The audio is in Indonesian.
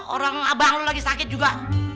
orang abah lu lagi sakit juga